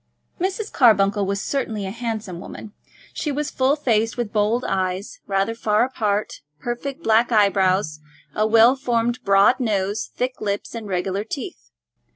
Mrs. Carbuncle was certainly a handsome woman. She was full faced, with bold eyes, rather far apart, perfect black eyebrows, a well formed broad nose, thick lips, and regular teeth.